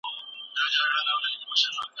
کرغېړن زندان بايد جوړ نه سي ؟